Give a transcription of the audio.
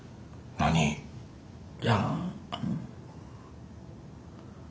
いやあの。